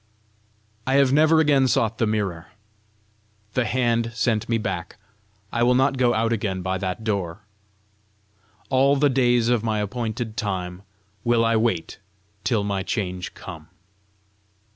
I have never again sought the mirror. The hand sent me back: I will not go out again by that door! "All the days of my appointed time will I wait till my change come."